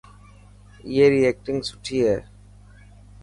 اي ري ايڪٽنگ سٺي هي.